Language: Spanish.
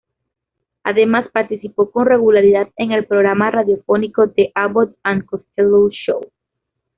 Además, participó con regularidad en el programa radiofónico "The Abbott and Costello Show".